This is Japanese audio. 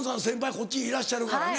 こっちいらっしゃるからね。